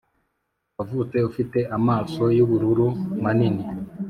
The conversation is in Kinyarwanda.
wavutse ufite amaso yubururu manini,